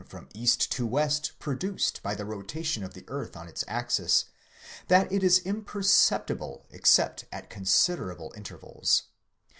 from east to west produced by the rotation of the earth on its axis, that it is imperceptible except at considerable intervals.